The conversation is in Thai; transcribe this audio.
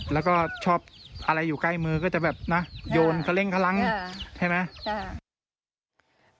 แล้วก็ชอบอะไรอยู่ใกล้มือก็จะแบบนะโยนเขาเร่งข้างหลังใช่ไหม